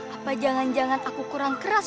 apa jangan jangan aku kurang keras